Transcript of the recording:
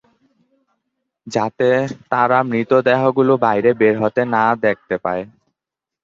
যাতে তারা মৃতদেহগুলো বাইরে বের হতে না দেখতে পায়।